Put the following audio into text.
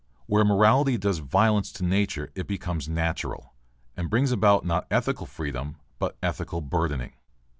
Where morality does violence to nature it becomes natural, and brings about not ethical freedom but ethical burdening.